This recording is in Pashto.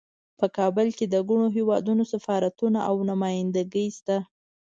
په کابل کې د ګڼو هیوادونو سفارتونه او نمایندګۍ شته